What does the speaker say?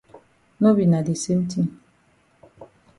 No be na de same tin.